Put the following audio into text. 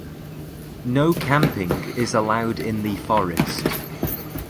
No camping is allowed in the forest.